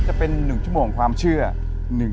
จะเป็น๑ชั่วโมงความเชื่อ